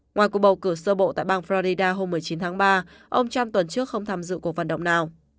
ngoài cuộc bầu cử sơ bộ tại bang florida hôm một mươi chín tháng ba ông trump tuần trước không tham dự cuộc vận động nào